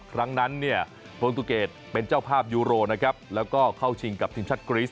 ครั้งนั้นเนี่ยโปรตูเกตเป็นเจ้าภาพยูโรนะครับแล้วก็เข้าชิงกับทีมชาติกรีส